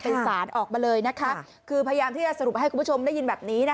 เป็นสารออกมาเลยนะคะคือพยายามที่จะสรุปให้คุณผู้ชมได้ยินแบบนี้นะคะ